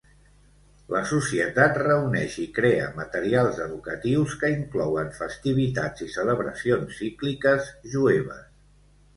La societat reuneix i crea materials educatius que inclouen festivitats i celebracions cícliques jueves.